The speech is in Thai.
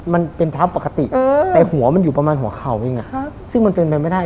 มันเป็นเท้าปกติแต่หัวมันอยู่ประมาณหัวเข่าเองซึ่งมันเป็นไปไม่ได้